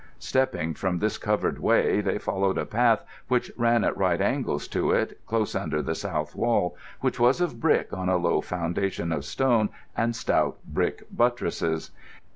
Stepping from this covered way they followed a path which ran at right angles to it, close under the south wall, which was of brick on a low foundation of stone and stout brick buttresses.